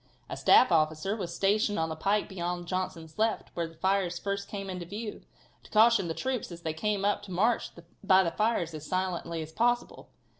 A staff officer was stationed on the pike beyond Johnson's left, where the fires first came into view, to caution the troops as they came up to march by the fires as silently as possible.